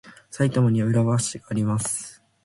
埼玉には浦和市があります。